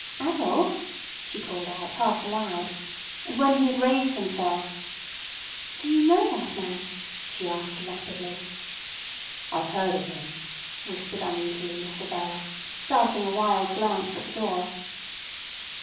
"Adolf," she called out half aloud; and when he had raised himself: "Do you know that man?" she asked rapidly. "I've heard of him," whispered uneasily Mr Verloc, darting a wild glance at the door.